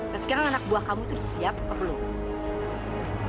dan sekarang anak buah kamu tuh siap apa belum